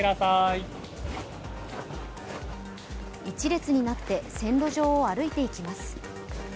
１列になって線路上を歩いていきます。